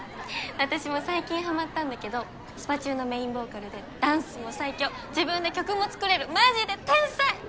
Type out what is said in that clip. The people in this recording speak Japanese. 私も最近ハマったんだけどスパチューのメインボーカルでダンスも最強自分で曲も作れるマジで天才！